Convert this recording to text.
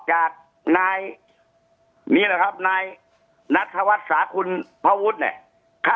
จากนายนี่แหละครับนายนัทธวัฒน์สาคุณพระวุฒิเนี่ย